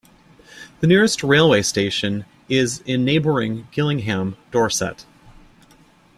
The nearest railway station is in neighbouring Gillingham, Dorset.